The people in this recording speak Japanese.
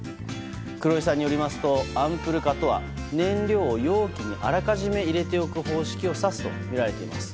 黒井さんによりますとアンプル化とは燃料を容器にあらかじめ入れていく方式を指すとみられています。